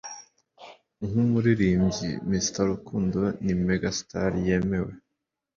Nkumuririmbyi, Mr Rukundo ni megastar yemewe